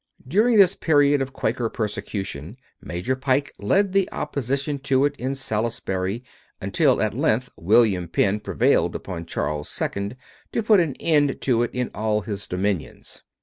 During this period of Quaker persecution, Major Pike led the opposition to it in Salisbury, until, at length, William Penn prevailed upon Charles II. to put an end to it in all his dominions.